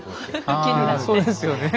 ああそうですよね。